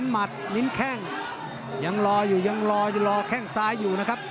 หัดลิ้นแข้งยังรออยู่ยังรอยังรอแข้งซ้ายอยู่นะครับ